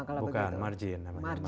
kalau begitu bukan margin